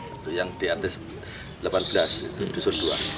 itu yang di atas delapan belas itu dusun dua